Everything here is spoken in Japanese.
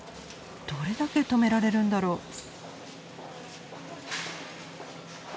どれだけ止められるんだろう？